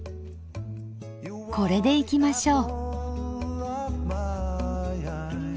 これでいきましょう。